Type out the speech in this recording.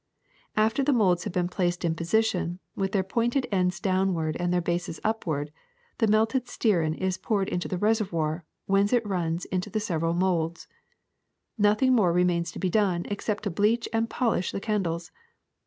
After the molds have been placed in position, with their pointed ends downward and their bases upward, the melted stearin is poured into the reservoir, whence it runs into the several molds. Nothing more re mains to be done except to bleach and polish the candles.